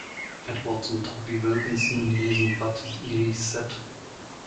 Edwards und Toby Wilkinson lesen "Bat-iri-set".